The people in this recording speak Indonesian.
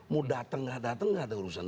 mau dateng nggak dateng nggak ada urusan